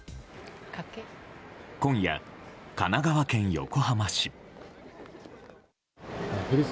今夜、神奈川県横浜市。